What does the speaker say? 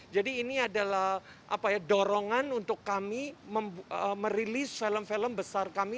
jadi ini adalah dorongan untuk kami merilis film film besar kami